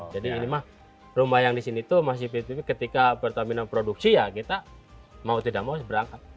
jadi ini mah rumah yang di sini tuh masih fitur fitur ketika pertamina produksi ya kita mau tidak mau berangkat